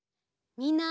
みんな！